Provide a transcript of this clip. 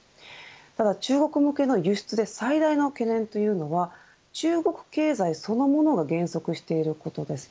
ただ中国向けの輸出で最大の懸念というのは中国経済そのものが減速していることです。